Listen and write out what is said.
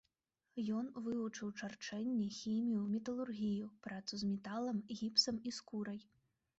Ён вывучыў чарчэнне, хімію, металургію, працу з металам, гіпсам і скурай.